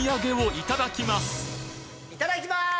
いただきます！